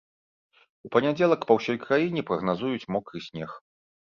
У панядзелак па ўсё краіне прагназуюць мокры снег.